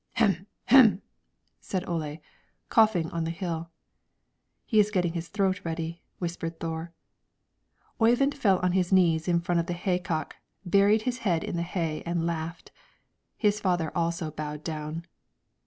"Hem, hem!" said Ole, coughing on the hill. "He is getting his throat ready," whispered Thore. Oyvind fell on his knees in front of the haycock, buried his head in the hay, and laughed. His father also bowed down.